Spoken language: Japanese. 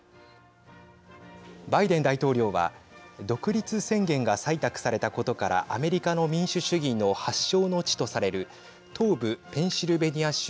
バイデン大統領は独立宣言が採択されたことからアメリカの民主主義の発祥の地とされる東部ペンシルベニア州